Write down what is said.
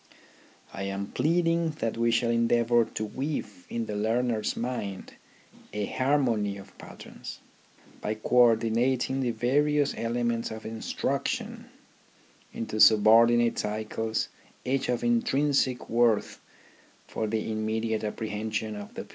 I am pleading that we shall endeavour to weave in the learner's mind a harmony of patterns, by co ordinating the vari ous elements of instruction into subordinate cycles each of intrinsic worth for the immediate apprehension of the pupil.